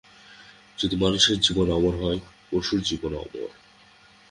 যদি মানুষের জীবন অমর হয়, পশুর জীবনও অমর।